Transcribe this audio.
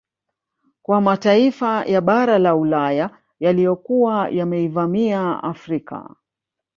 Kwa mataifa ya bara la Ulaya yaliyokuwa yameivamia Afrika